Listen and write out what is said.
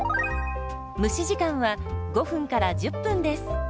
蒸し時間は５１０分です。